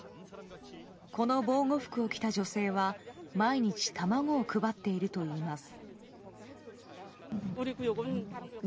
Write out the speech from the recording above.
この防護服を着た女性は毎日、卵を配っているといいます。